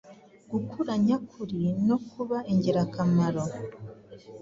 gukura nyakuri no kuba ingirakamaro.